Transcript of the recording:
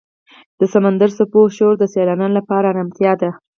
د سمندر څپو شور د سیلانیانو لپاره آرامتیا ده.